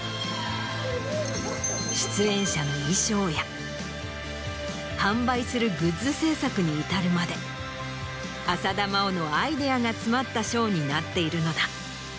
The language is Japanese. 出演者の衣装や販売するグッズ制作に至るまで浅田真央のアイデアが詰まったショーになっているのだ。